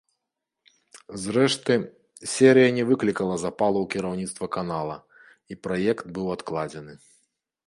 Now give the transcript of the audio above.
Зрэшты, серыя не выклікала запалу ў кіраўніцтва канала, і праект быў адкладзены.